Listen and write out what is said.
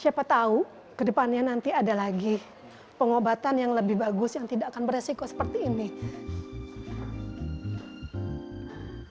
siapa tahu ke depannya nanti ada lagi pengobatan yang lebih bagus yang tidak akan beresiko seperti ini